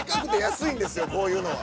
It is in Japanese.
こういうのは。